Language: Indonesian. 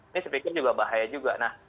ini sepertinya juga bahaya juga